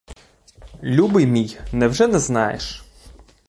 Любий мій, невже не знаєш?